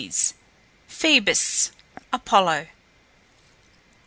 PHOEBUS APOLLO.